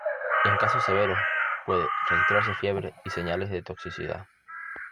En casos severos puede registrarse fiebre y señales de toxicidad.